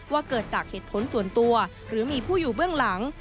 ว่าเกิดจากเหตุผลส่วนตัวหรือมีผู้อยู่เบื้องหลัง